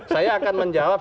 saya akan menjawab